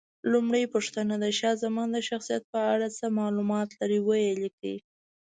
لومړۍ پوښتنه: د شاه زمان د شخصیت په اړه څه معلومات لرئ؟ ویې لیکئ.